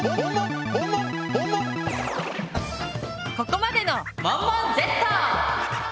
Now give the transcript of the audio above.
ここまでの「モンモンＺ」！